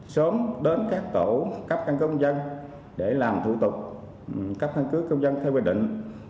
sớm đến các tổ cấp căn cứ công dân để làm thủ tục cấp căn cứ công dân theo quy định